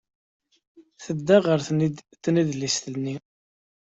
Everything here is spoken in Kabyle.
Tedda ɣer tnedlist-nni.